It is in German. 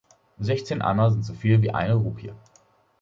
Sechzehn Anna sind soviel wie eine Rupie.